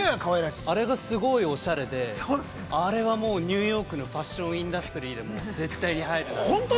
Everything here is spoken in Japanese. あれがすごいおしゃれで、あれはもう、ニューヨークのファッション・インダストリーでも絶対にはやると。